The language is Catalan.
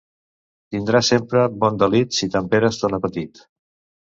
Tindràs sempre bon delit si temperes ton apetit.